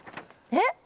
えっ？